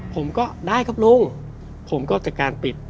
ผมก็ได้ครับลุงผมก็จัดการปิด